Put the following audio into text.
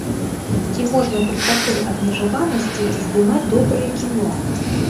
Ці можна пры такой абмежаванасці здымаць добрае кіно?